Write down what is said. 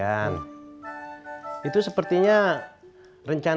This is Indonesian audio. dan ini buat victims ini menguruskan